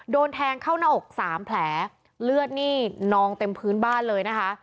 โดนแทงเข้าหน้าอกสามแผลเลือดนี่นองเต็มพื้นบ้านเลยนะคะ